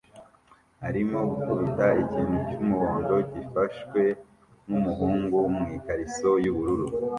arimo gukubita ikintu cyumuhondo gifashwe numuhungu mwikariso yubururu